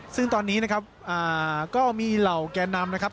ซึ่งตอนนี้นะครับก็มีเหล่าแกนนำนะครับ